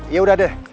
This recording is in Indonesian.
ya udah deh